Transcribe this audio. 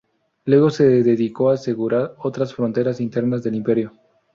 Luego se dedicó a asegurar otras fronteras internas del imperio.